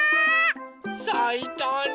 さいたね。